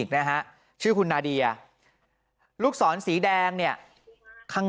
เขามาหาเรื่องเอง